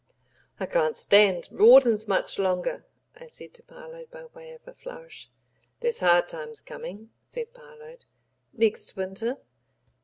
"I can't stand Rawdon's much longer," I said to Parload by way of a flourish. "There's hard times coming," said Parload. "Next winter."